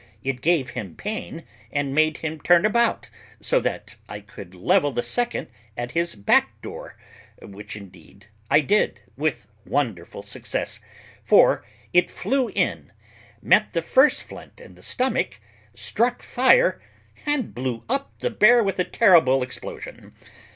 It gave him pain and made him turn about, so that I could level the second at his back door, which, indeed, I did with wonderful success; for it flew in, met the first flint in the stomach, struck fire, and blew up the bear with a terrible explosion.